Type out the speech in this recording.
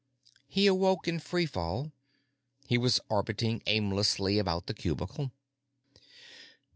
He awoke in free fall. He was orbiting aimlessly about the cubicle.